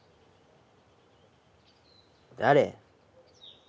誰？